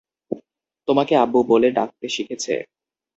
তোমাকে আব্বু বলে ডাকতে শিখেছে।